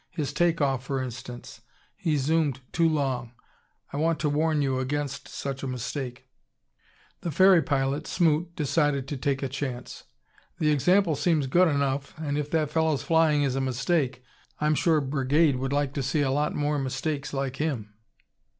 His take off, for instance. He zoomed too long. I want to warn you against such a mistake." The ferry pilot, Smoot, decided to take a chance. "The example seems good enough, and if that fellow's flying is a mistake, I'm sure Brigade would like to see a lot more mistakes like him."